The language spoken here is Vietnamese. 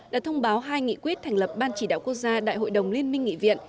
đã thông báo hai nghị quyết thành lập ban chỉ đạo quốc gia đại hội đồng liên minh nghị viện